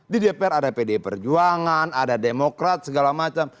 di dpr ada pd perjuangan ada demokrat segala macam